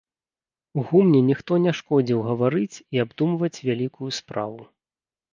У гумне ніхто не шкодзіў гаварыць і абдумваць вялікую справу.